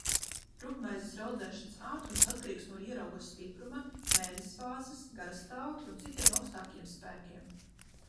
Rupjmaizes raudzēšanas ātrums atkarīgs no ierauga stipruma, mēness fāzes, garastāvokļa un citiem augstākajiem spēkiem.